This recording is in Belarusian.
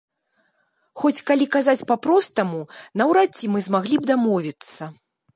Хоць калі казаць па-простаму, наўрад ці мы змаглі б дамовіцца.